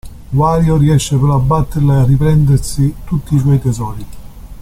Wario riesce però a batterla e riprendersi tutti i suoi tesori.